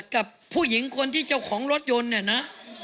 กับผู้หญิงคนที่เจ้าของรถยนต์เนี่ยนะ